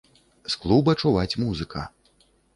З клуба чуваць музыка.